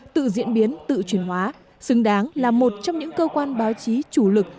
tự diễn biến tự truyền hóa xứng đáng là một trong những cơ quan báo chí chủ lực